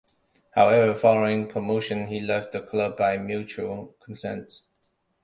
However, following the promotion he left the club by mutual consent.